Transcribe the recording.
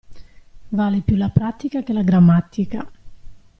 Vale più la pratica che la grammatica.